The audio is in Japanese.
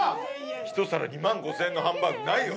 ひと皿２万５０００円のハンバーグないよ。